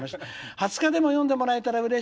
「２０日でも読んでもらえたらうれしいです」。